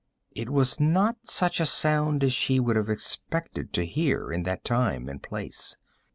It was not such a sound as she would have expected to hear in that time and place.